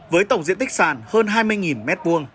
với tổng diện tích sàn hơn hai mươi m hai